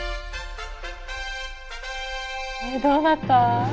どうなった？